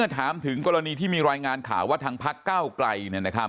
ถามถึงกรณีที่มีรายงานข่าวว่าทางพักเก้าไกล